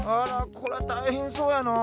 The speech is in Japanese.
こらたいへんそうやなあ。